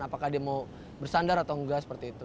apakah dia mau bersandar atau enggak seperti itu